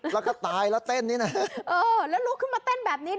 แล้วก็ตายแล้วเต้นนี่นะเออแล้วลุกขึ้นมาเต้นแบบนี้